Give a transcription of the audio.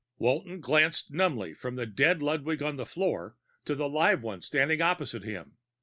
Walton glanced numbly from the dead Ludwig on the floor to the live one standing opposite him.